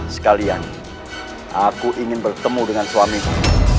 sekalian aku ingin bertemu dengan suamiku